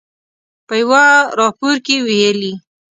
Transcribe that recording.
په یوه راپور کې ویلي